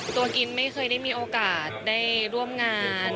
กินไม่เคยได้มีโอกาสได้ร่วมงาน